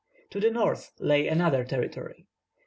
To the north lay another territory.